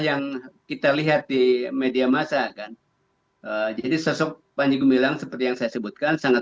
yang kita lihat di media masa kan jadi sosok panji gumilang seperti yang saya sebutkan sangat